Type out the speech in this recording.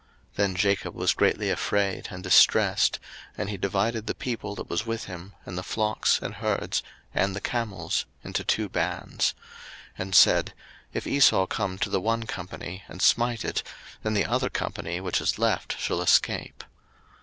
01:032:007 Then Jacob was greatly afraid and distressed: and he divided the people that was with him, and the flocks, and herds, and the camels, into two bands; 01:032:008 And said, If Esau come to the one company, and smite it, then the other company which is left shall escape.